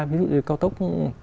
ví dụ như cao tốc